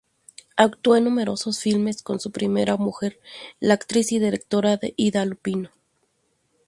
Actuó en numerosos filmes con su primera mujer, la actriz y directora Ida Lupino.